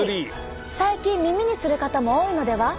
最近耳にする方も多いのでは？